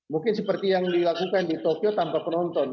mungkin seperti yang dilakukan di tokyo tanpa penonton